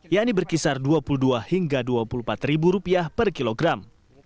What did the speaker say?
yakni berkisar dua puluh dua hingga dua puluh empat rupiah per kilogram